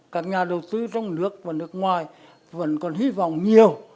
các nhà đầu tư trong nước và nước ngoài vẫn còn hy vọng nhiều